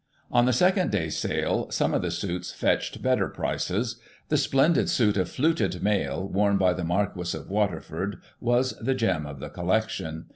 On the second day's sale some of the suits fetched better prices. The splendid suit of fluted mail, worn by the Marquis of Waterford, was the gem of the collection.